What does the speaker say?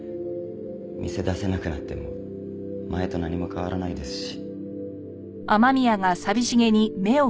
店出せなくなっても前と何も変わらないですし。